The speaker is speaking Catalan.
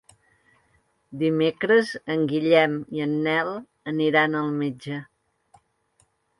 Dimecres en Guillem i en Nel aniran al metge.